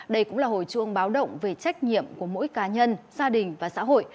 đây cũng là hồi chuông báo động về trách nhiệm của mỗi cá nhân gia đình và xã hội